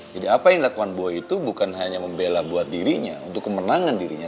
jadi apa yang lakukan boy itu bukan hanya membela buat dirinya untuk kemenangan dirinya